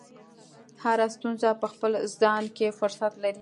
هره ستونزه په خپل ځان کې فرصت لري.